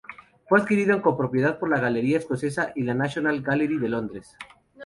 Fue adquirido en copropiedad por la galería escocesa y la National Gallery de Londres.